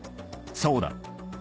そうだ。